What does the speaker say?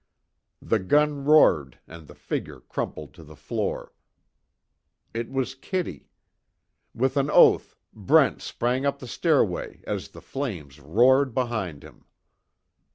The gun roared, and the figure crumpled to the floor. It was Kitty. With an oath, Brent sprang up the stairway, as the flames roared behind him.